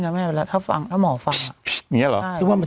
นะแม่แล้วถ้าฟังถ้าหมอฟังอ่ะเนี้ยเหรอใช่คิดว่ามัน